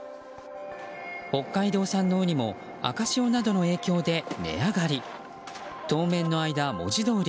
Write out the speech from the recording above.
北海道産のウニも赤潮などの影響で値上がり。